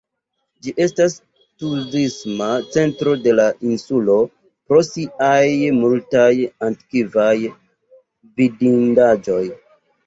Ĝi estas turisma centro de la insulo pro siaj multaj antikvaj vidindaĵoj.